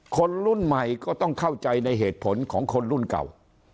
คนรุ่นใหม่ก็ต้องเข้าใจในเหตุผลของคนรุ่นเก่า